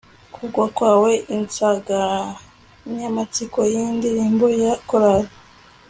kugwa kwawe, insanganyamatsiko yindirimbo ya chorale